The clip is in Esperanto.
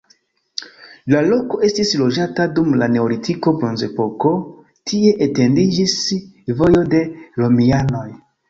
La loko estis loĝata dum la neolitiko, bronzepoko, tie etendiĝis vojo de romianoj.